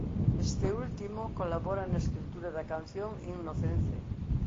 Este último colabora na escritura da canción Innocence.